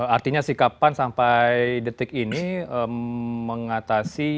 artinya sih kapan sampai detik ini mengatasi